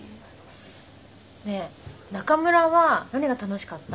ねえ中村は何が楽しかった？